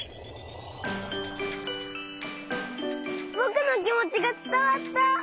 ぼくのきもちがつたわった！